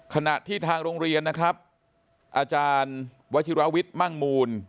ขณะที่ทางโรงเรียนนะครับอาจารย์วชิราวิทย์มั่งมูล